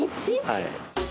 はい。